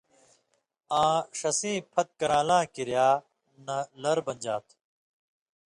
آں ݜسیں پھت کران٘لاں کِریا نہ لر بنژا تُھو